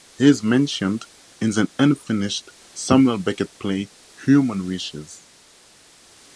He is mentioned in the unfinished Samuel Beckett play Human Wishes.